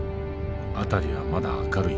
辺りはまだ明るい。